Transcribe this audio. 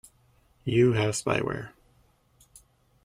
You have spyware!